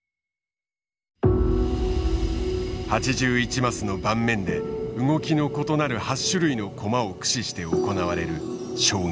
８１マスの盤面で動きの異なる８種類の駒を駆使して行われる将棋。